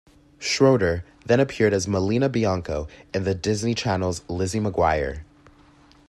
Schroeder then appeared as Melina Bianco in The Disney Channel's "Lizzie McGuire".